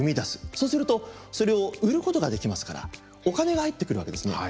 そうするとそれを売ることができますからお金が入ってくるわけですね。